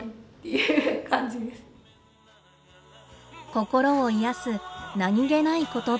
心を癒やす何気ない言葉。